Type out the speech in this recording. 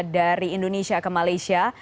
dari indonesia ke malaysia